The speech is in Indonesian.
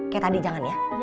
kayak tadi jangan ya